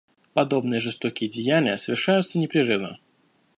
Подобные жестокие деяния совершаются непрерывно.